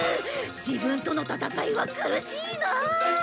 自分との闘いは苦しいなあ！